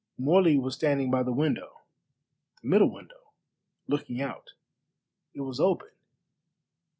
Morley was standing by the window the middle window looking out. It was open.